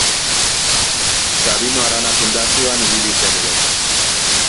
Sabino Arana Fundazioan ibili zen ere.